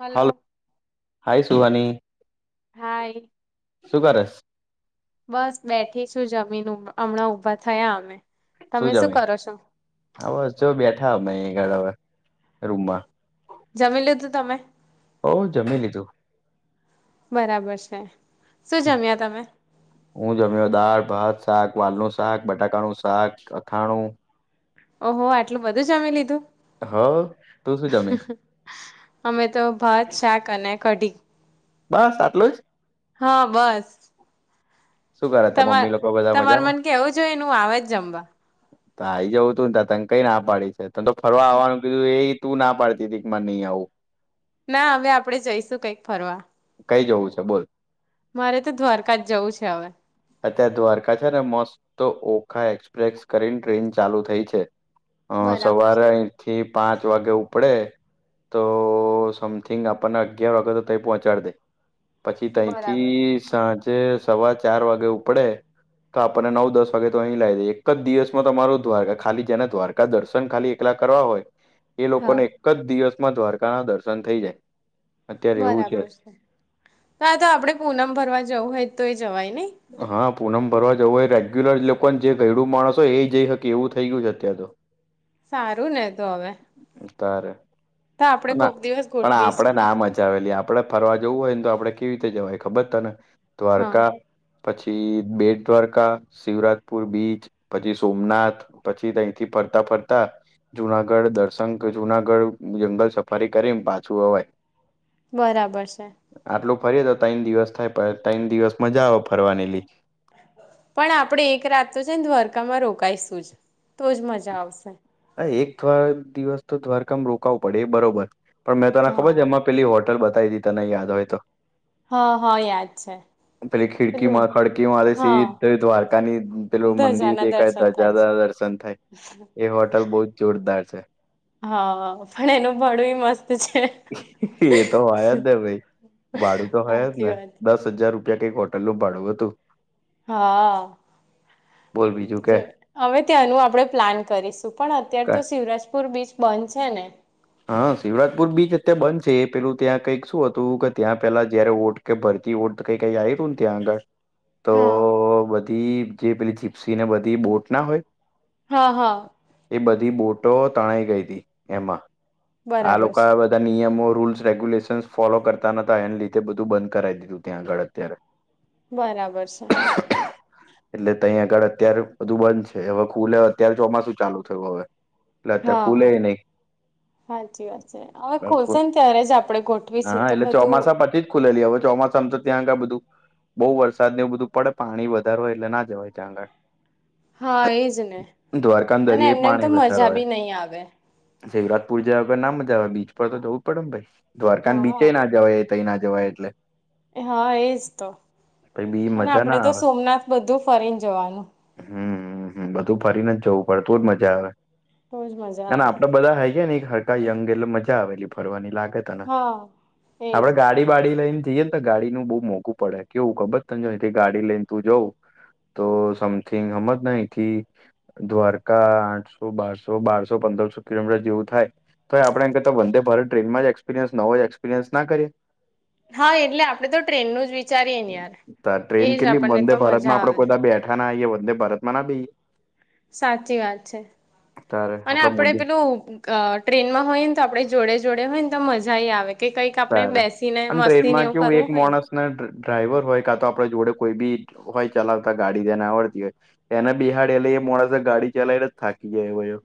Hello hello, hi Suhani. Hi સુું કરસ? બસ બેઠી છું જમીન, ઉભ હમણાં ઊભા થયા અમે. શું તમે જમી? કરો છો હા બસ, જો બેઠા અમેય. [unintelligible] રૂમમાં જમી લીધું તમે? હૌ, જમી લીધું. બરાબર છે. શું જમ્યા તમે હું જમ્યો દાળ ભાત શાક વાલનું શાક, બટાકાનું શાક, અથાણું. ઓહો! આટલું બધું જમી લીધું! હ તું શું જમી હં હં. અમે તો ભાત, શાક અને કઢી. બસ, આટલું જ? હા, બસ. શું કરે, તાર તમાર મમ્મી લોકો બધા તમાર મજામાં? મને કેવું જોઈએ ને હું આવે જ જમવા તો આઈ જવું તું ને તાર, તન કંઈ ના પાડી છે? તન તો ફરવા આવવાનું કીધું એય તું ના પાડતી તી, ક માર નહીં આવવું. ના હવે આપડે જઈશું કઈક ફરવા. કઈ જવું છે બોલ? મારે તો દ્વારકા જ જવું છે હવે. અત્યારે દ્વારકા છે ને, મસ્ત ઓખા એક્સપ્રેસ કરીને ટ્રેન ચાલુ થઈ છે. અ બરાબર સવારે છે અઈંથી પાંચ વાગે ઉપડે, તો સમથિંગ આપણને અગિયાર વાગે તો તઈં પહોંચ ચાડ દે. પછી બરાબર છે તંઈથી, સાંજે સવા ચાર વાગે ઉપડે તો આપણને નવ દસ વાગે તો અહીં લાવી દે. એક જ દિવસમાં તમારો દ્વારકા, ખાલી જેને દ્વારકા દર્શન ખાલી એકલા કરવા હોય, એ હા લોકોને એક જ દિવસમાં દ્વારકાના દર્શન થઈ જાય. અત્યારે એવું બરાબર છે. આ તો આપડે પૂનમ ભરવા જવું હોય તો ય જવાય નહી? હા પૂનમ ભરવા જવું હોય, રેગ્યુલર એ લોકોને જે ઘયડું માણસ હોય, એ ય જઈ હકે એવું થઈ ગ્યું છે અત્યારે તો. સારું ને તો હવે! તારે. તો આપણે ના કોક દિવસ પણ આપડે ગોઠવીશું ના મજા આવે લી આ આપડે ફરવા જવું હોય ને તો આપડે કેવી રીતે જવાય ખબર છ તને? હા દ્વારકા પછી બેટ દ્વારકા, શિવરાજપુર બીચ, પછી સોમનાથ પછી તંઈથી પ ફરતા ફરતા જુનાગઢ દર્શ'- સંખ જુનાગઢ જંગલ સફારી કરીને પાછું અવાય. બરાબર છે. આટલું ફરીએ તો ત્રણ દિવસ થાય પણ ત્રણ દિવસ મજા આવે ફરવાની લી. પણ આપડે એક રાત તો છે ને દ્વારકામાં રોકાઈશું જ, તો જ મજા આવશે. હા એક થવાં દિવસ તો દ્વારકામાં રોકાવું પડે એ બરોબર પણ મેં તને ખબર હા છે એમાં પેલી હોટલ બ તાઈલી તને યાદ હોય તો. હા હા યાદ છે. પેલી ખિડકી મા પેલું ખડકી મારે હા સીધે દ્વારકાની પેલો મંદિર ધજાના દેખા દર્શન દર જા થાય છે દ પસંદ થાય એ હોટલ બહુ જ જોરદાર છે. હા પણ એનું ભણવું મસ એ તો હોયા જ ને ભઈ ભાડું તો હોય જ સાચી ને વાત છે દસ હજાર રૂપિયા કઈક હો ટલનું ભાડું હતું. હા આ. બોલ બી જો હવે ત્યાંનું આપડે પ્લાન કરીશું પણ અત્યાર તો કા- શિવરાજપુર બીચ બંધ છે ને? હા, શિવરાજપુર બીચ અત્યારે બંધ છે એ પેલું ત્યાં કઈક શું હતું કે ત્યાં પેલા જયારે વોટ કે ભર ઓડ તો કઈ કઈતી આંગળ તો હા બધી જે પેલી ચિપ્સી ને બધી બોટ ના હોય, હા હા એ બધી બોટો તણાઈ ગઈ હતી એમાં. આ બરાબર લોકો છે બધા નિયમો રૂલ્સ રેગ્યુલેશનસ ફોલો કરતા નતા એને લીધે બધું બંધ કરાવી દીધું ત્યાં આગળ અત્યારે. બરાબર છે. એટલે તહીં આગળ અત્યારે બધું બંધ છે. હવે ખુલે અત્યારે ચોમાસું ચાલુ થયું હવે. એટલે અત્યા ખુલે હા નહી. સાચી વાત છે. હવે ખોલશે ને ત્યારે જ આપણે ગોઠવીશું તો બધું એ હવે ચોમાસ તો ત્યાં ગા બધું બહુ વરસાદને એ બધું પડે પાણી વધાર હોય એટલે ના જવાય ત્યાં આગળ. હા એજ ને દ્વારકામાં અને દરિયાઈ એમને એમ તો મજા બી નહી આવે. શિવરાતપુર જવા પણ ના મજા આવે બીચ પર તો જવું પડેમ ભઈ. દ્વારકા હા બીચે ના જવાય તઈ ના જવાય એટલે. એ હા એજ તો. પહી બી અને મજા આપડે ના તો આવે સોમનાથ બધું ફરીને જવાનું. હમ્મ, હમ્મ, હમ્મ બધું ફરીને જવું પડે તો જ મજા આવે. તો જ મજા ને આવે આપડે બધા હઈ ગયા ને હરકા યંગ એટલે મજા આવેલી ફરવાની લાગે તને હા એજ આપડે ગાડી વાડી લઈન જઈને તો ગાડીનું બહુ મોંઘું પડે કેવું ખબર તને અઈથી ગાડી લઈને તું જઉ તો સમથિંગ હમ જ ના અહીથી દ્વારકા આઠસો બારસો બારસો પ દરશો કિલોમીટર જેવું થાય. તોએ આપણે એમ કરતા તો વંદે ભારત ટ્રેનમાં જ એક્સપિરિયન્સ નવો એક્સપિરિયન્સ ના કરીએ? હા એટલે આપડે તો ટ્રેનનું જ વિચારીએે ને યાર. તાર ટ્રેન એજ કેટલી આપણને વંદે તો ભારતમાં મજા આપડે આવે. કોઈ દા બેઠા ના આઈએ વંદે ભારતમાં ના બેહીએ. સાચી વાત છે. તારે અને આપડા આપડે મોદી પેલું ગ ટ્રેનમાં હોય ને તો આપણે જોડે જોડે હોય ને તો મજાઈ આવે. કે કંઈક આપડે સર બેસીને અને મસ્તીને ટ્રેનમાં એવું કેવું એક કરવું હોય ને. માણસને ડ્ર- ડ્રાઈવર હોય કા તો આપડ જોડે કોઈ બી હોય ચલાવતા ગાડી જેને આવડતી હોય એને બિહાડ એ લ મોડાસા ગાડી ચાલાયલા થાય.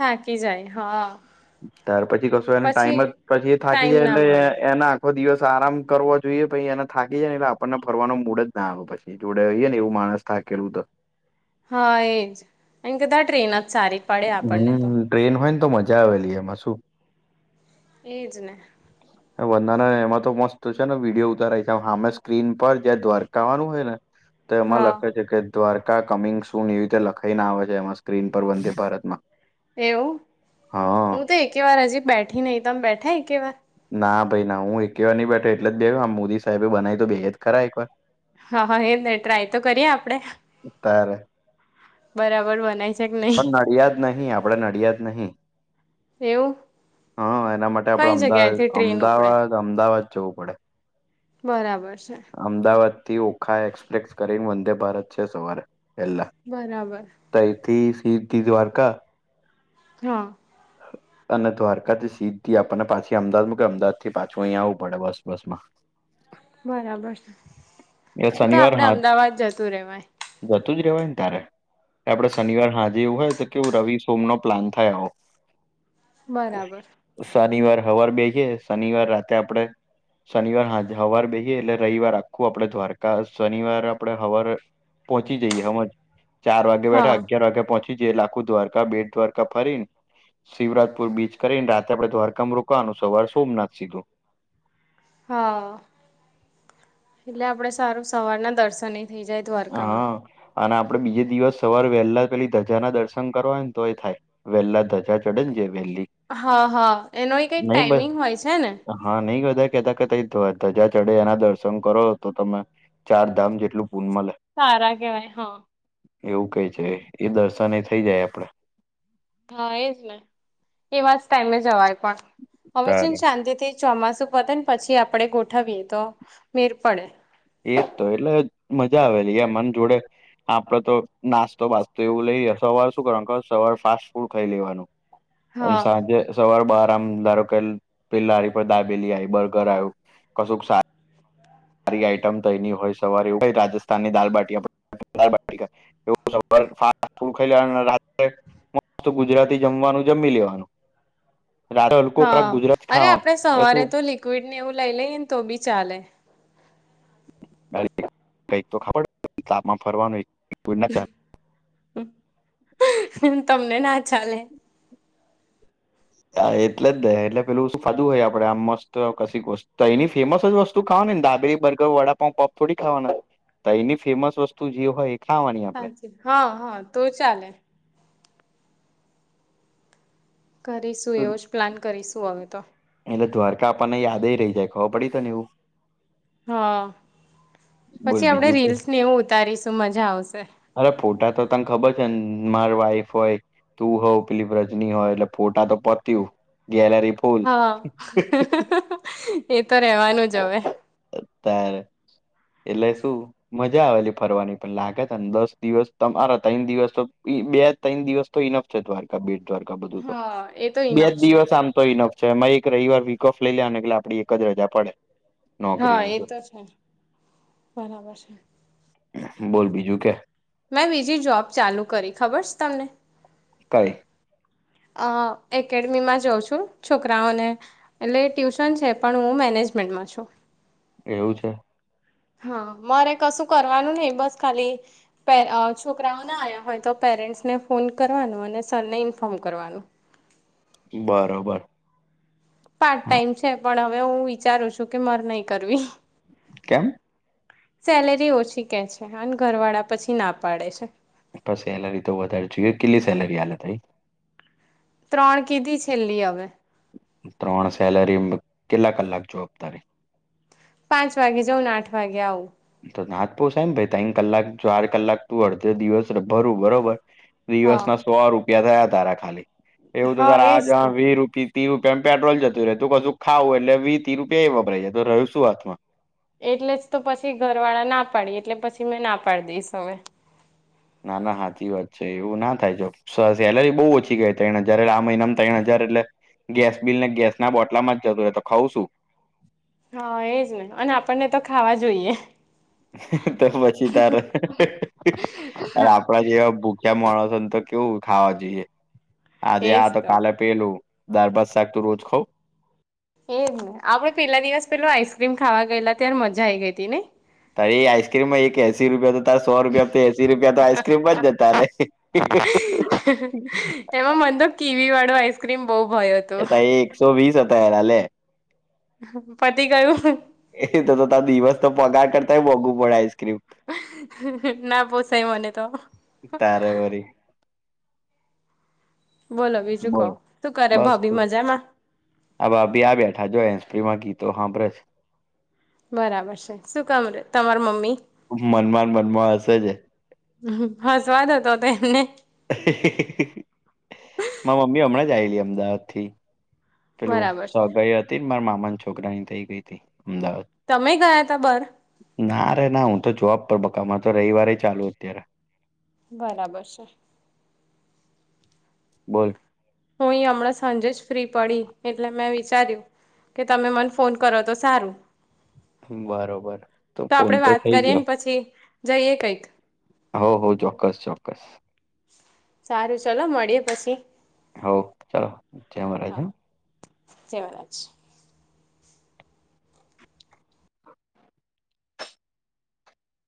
થાકી જાય હા. ત્યાર પછી કશો એને ટાઈમ પછી જ પછી એ થાકી ટાઈમ જાય ના એટલે એ મળે એના આખો દિવસ આરામ કરવા જોઈએ પછી એને થાકી જાય ને એટલે આપણને ફરવાનો મૂડ જ ના આવે પછી જોડે હોઈએ ને એવું માણસ થાકેલું તો. હા એજ એન કતા ટ્રેન સારી પડે આપણને તો હમ્મ, ટ્રેન હોય ને તો મજા આવે લી એમાં શું. એજ ને. બંધાના એમાં તો મસ્ત છે ને વિડીયો ઉતારાય હામે સ્ક્રીન પર જયા દ્વારકાવાનું હોય ને તો એમાં હા લખે છે કે દ્વારકા કમિંગ સુન એવી રીતે લખાઈને આવે છે એમાં સ્ક્રીન પર વંદે ભારતમાં એવું, હા હું તો એકે વાર હજી બેઠી નહી, તમે બેઠા એક વાર? ના ભાઈ ના હું એકેવાર નહી બેઠ. એટ જ બે આમ મોદી સાહેબે બનાવી તો બેહિએ જ એક વાર. હા હા એ ન ટ્રાય તો કરીએ આપડે. તારે બરાબર બનાય છે કે નહી પણ નડિયા જ નહી આપડે નડિયા જ નહી. એવું હા એના માટે આપડ કઈ અમદાવાદ જગ્યાએથી ટ્રેન ઉપડે અમદાવાદ અમદાવાદ જવું પડે. બરાબર. છે અમદાવાદથી ઓખા એક્સપ્રેસ કરી વંદે ભારત છે સવારે પેલા બરાબર તૈથી સી તી દ્વારકા હા. અને દ્વારકાથી સીધી આપને પાછી અમદાવાદ મુ કે અમદાવાદ થી પાછું અહીંયા આવવું પડે બસ બસ માં. [inaudible] બરાબર છે, તો શનિવાર આપડે હા અમદાવાદ જતું રેવાય. કયારે આપડે શનિવાર હા જે એવું હોય તો કે રવિ સોમ નો પ્લાન થાય આવો. બરાબર શનિવાર હવાર બેહીએ શનિવાર રાતે આપડે શનિવાર હાજે હવાર બેહી એ એટલે રવિવાર આખું આપડે દ્વારકા શનિવાર આપડે હવાર પહોંચી જઈએ હમજ. ચાર વાગે બેઠા હા અગિયાર વાગે પહોંચી જઈ લે આખું દ્વારકા બે દ્વારકા ફરીન શિવરાજપુર બીચ કરીને રાતે આપડે દ્વારકામ રોકવાનું સવાર સોમનાથ સીધું. હા. એટલે આપડે સારું સવારના દર્શન ય થઇ જાય દ્વારકામાં. હા. અને આપડે બીજે દિવસ સવારે વહેલા પેલી ધજા ના દર્શન કરવા હોય ને તો એ થાય વહેલા ધજા ચડે ને જે વહેલી હા હા એનો એ કઈક નહી બ ટાઈમિંગ હોય છે ને હા નહી બધ કેતા કે તઈ ધજા ચડે એના દર્શન કરો તો તમે ચાર ધામ જેટલું પૂન મલે. સારા કેવાય હા. એવું કેય છે એ દર્શન એ થઇ જાય આપડે. હા એજ ને, એવા જ ટાઈમે જવાય પણ હવે છેમ તારે શાંતિ થી ચોમાસું પતે ને પછી આપડે ગોઠવીએ તો મેર પડે. એજ તો એટલે મજા આવેલી એમ મન જોડે. આપડે તો નાસ્તો બાસ્તો એવું લઈએ સવારે શું કરવાનું અ સવાર ફાસ્ટ ફૂડ ખાઈ લેવાનું. અને હા સાંજે સવાર બાર આરામદારો પેલારી પર દાબેલી આવી, બર્ગર આવ્યું કશું સાર સારી આઈટમ તો એની હોય સવારે એવ કઈ રાજસ્થાનની બાટી [inaudible] ખાઈ લેવાનું રાત્રે મસ્ત ગુજરાતી જમવાનું જમી લેવાનું. રાતે હલકો ખોરાક હા, ગુજરાતી અરે ખાવાનું આપડે એ સવારે શું તો લિક્વિડ ને એવું લઈ લઈએને તો બી ચાલે. [inaudible] ખબર તાપમાં ફરવાનું [inaudible] તમને ના ચાલે. હા એટલે જ દે એટલે પેલું સાધું હોય આપડે આ મસ્ત કશક વસ્તુ એની ફેમસ જ વસ્તુ કા ડાબરી, બર્ગર, વડાપઉ, પપ થોડી ખાવાના તો એની ફેમસ વસ્તુ જે હોય ખાવાની આપડે હા હા તો ચાલે. કરીશું તો એવો જ પ્લાન કરીશું હવે તો. એટલે દ્વારકા આપણને યાદે રહી જાય ખબર પડી તો ને એવું. હા. બોલ પછી આપડે બીજું તો રીલ્સ ને એવું ઉતારીશું મજા આવશે. અરે ફોટા તો તને ખબર માર વાઈફ હોય તું હોઉ પીલીપ્રજની હોય એટલે ફોટા તો પતય્યું હા, એ તો રેવાનું જ હવે ત્યારે એટલે શું મજા આવેલી ફરવાની પણ લાગે તને દસ દિવસ તમારા ત્રણ દિવસ તો બે ત્રણ દિવસ તો ઇનફ છે, દ્વારકા બેટ દ્વારકા બધું તો હા એ તો બે જ ઇનફ છે દિવસ આમ તો ઇનફ તો એમાં એક રવિવાર વીક ઓફ લઈ લ્યા ને એટલે આપડી એક જ રજા પડે, હા નોકરીની એ જો તો છે બરાબર છે બોલ બીજું કે? મેં બીજી જોબ ચાલુ કરી ખબર છે તમને કઈ અ એકેડમીમાં જોઉં છું છોકરાઓને એટલે ટ્યુશન છે પણ હું મેનેજ મેન્ટમાં છું એવું છે. હા મારે કશું કરવાનું નહિ, બસ ખાલી પ છોકરાઓ ના આવ્યા હોય તો પેરેન્ટ્સને ફોન કરવાનું અને સરને ઇન્ફોર્મ કરવાનું બરોબર પાર્ટ હા ટાઈમ છે, પણ હવે હું વિચારું છું કે મરે નહી કરવી. કેમ? સેલેરી ઓછી કે છે અને ઘર વાળા પછી ના પાડે છે, સેલરી તો વધારે જોઈએ કેટલી સેલરી હાલત હઈ ત્રણ કીધી છેલ્લી હવે, ત્રણ સેલરી કેટલા કલાક જોબ તારી? પાંચ વાગે જઉું ને આઠ વાગે આવું, તો નાથપ સાહેને ભાઈ ત કલાક ચાર કલાક તું અડધે દિવસ ભરું બરોબર દિવસ હા ના સો રૂપિયા થયા તારા ખાલી એવું તો હા તારા એજ આ જ તો વી રૂપ ત્રી રૂપિયામાં પેટ્રોલ જતું રહે, તું કું ખાવું એટલે વી ત્રી રૂપિયા એ વપરાય જાય તો રહ્યું શું હાથ માં એટલે જ તો પછી ઘર વાળા ના પાડી એટલે પછી મે ના પાડી દઈશ હવે, ના ના સાાચી વાત છે, એવું ના થાય જો સેલેરી બહુ ઓછી ગઈ ત જયારે આ મહિનામાં તણ એટલે ગેસ બિલને ગેસ ના બોટલામાં જ જતું હોય તો ખઉ શું? હા, એજ ન અને આપણને તો ખાવા જોઈએ, તો પછી તાર આપણા જેવા મળો છ ને તો કેવું ખાવા જોઈએ આજે આ તો કાલે પેલું દાર બાદ શાક તો રોજ ખાાવ એજ ને આપડે પેલા દિવસ પેલુ આઈસક્રીમ ખાવા ગયેલા ત્યારે મજા આઈ ગઈ હતી, ને તરે એ આઈસ્ક્રીમમાં એક એસી રૂપિયા સો રૂપિયાથી એસી રૂપિયા તો આઈસક્રીમ બ જ જતા ર બ કવી વાળો આઈસ્ક્રીમ બહુ ભયો હતો એ ત એ એકસો વીસ હતાારલેે પતી ગયું. એ તો તો ત દિવસ તો પગાર કરતાય મોંઘુ પડે આઈસ્ક્રીમ ના બહસાય મને તો તારે વરી બોલો બીજું બોલો કહ શું કરે બસ ભાભી મજામાં? હવે ભી આ બેઠા જોઈ, કેમાં ગીતો સાાંભરે છે? બરાબર છે, શું કામ રે તમાર મમ્મી? મનમાં ને મનમાં હશે જ હા, સ્વાદ હતો હતો એમને [inaudible] મા મમ્મી હમણાં જ આયલી અમદાવાદ થી. પેલું બરાબર છે સગાઈ હતી ને મારા મામા છોકરાની થઇ ગઈ હતી, અમદાવાદ તમે ગયા તા બર ના રે ના હું તો જોબ પર બકામાં તો રવિવારે ચાલુ અત્યારે, બરાબર છે, બોલ હું એ હમણાં સાંજે જ ફ્રી પડી એટલે મેં વિચાર્યું કે તમે મન ફોન કરો તો સારું બરોબર તો આપડે ફોન વાત થઈ કરીએ ગયો ને પછી જઈએે કઈક હો હો ચોક્કસ ચોક્કસ. સારું ચલો મળીએ પછી. હો ચાલો જે મહારાજ હા હો જય મહરાજ.